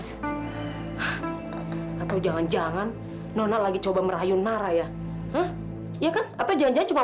gimana ya mas atau jangan jangan nona lagi coba merayu nara ya ya kan atau jajan cuma